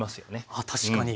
あっ確かに。